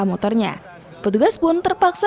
motornya petugas pun terpaksa